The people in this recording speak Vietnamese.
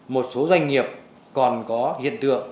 một số doanh nghiệp còn có hiện tượng